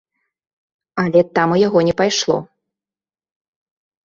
Але там у яго не пайшло.